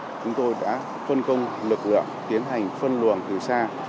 chúng tôi đã phân công lực lượng tiến hành phân luồng từ xa